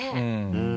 うん。